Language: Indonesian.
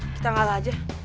kita ngalah aja